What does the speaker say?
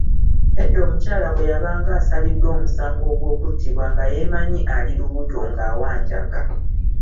Edda omukyala bwe yabanga asaliddwa omusango ogw'okuttibwa nga yeemanyi ali lubuto ng'awanjaga.